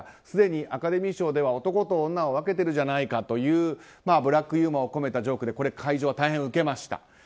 すでにアカデミー賞では男と女を分けているじゃないかというブラックユーモアを込めたジョークで会場は大変ウケました。